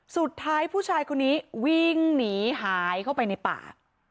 สุดท้ายผู้ชายคนนี้วิ่งหนีหายเข้าไปในป่า